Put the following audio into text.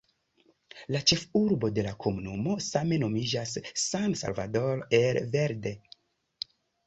La ĉefurbo de la komunumo same nomiĝas "San Salvador el Verde".